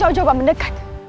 jangan jauh jauh mendekat